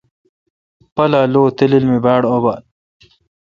پالا لو تلیل می باڑ ابال؟